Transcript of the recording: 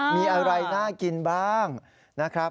มีอะไรน่ากินบ้างนะครับ